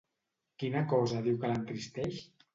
Quina cosa diu que l'entristeix?